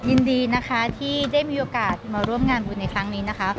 ยินดีนะคะที่ได้มีโอกาสมาร่วมงานบุญในครั้งนี้นะคะ